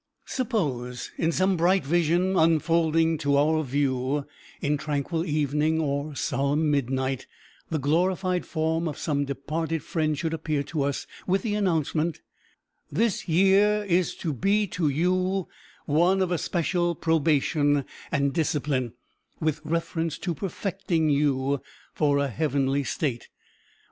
Suppose, in some bright vision unfolding to our view, in tranquil evening or solemn midnight, the glorified form of some departed friend should appear to us with the announcement, "This year is to be to you one of especial probation and discipline, with reference to perfecting you for a heavenly state.